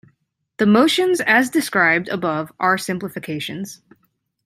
The motions as described above are simplifications.